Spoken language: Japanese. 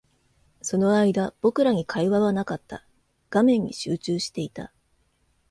その間、僕らに会話はなかった。画面に集中していた。